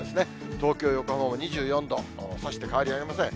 東京、横浜も２４度、大して変わりありません。